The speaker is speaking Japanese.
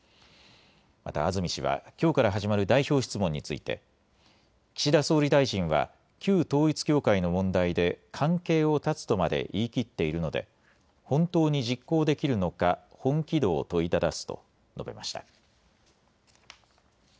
また安住氏はきょうから始まる代表質問について岸田総理大臣は旧統一教会の問題で関係を断つとまで言い切っているので本当に実行できるのか本気度を問いただすと述べました。